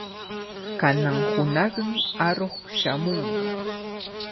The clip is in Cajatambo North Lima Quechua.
Kanan hunaqmi aruq shamunqa.